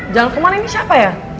jalan kemana ini siapa ya